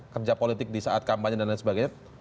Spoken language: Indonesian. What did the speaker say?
kerja politik di saat kampanye dan lain sebagainya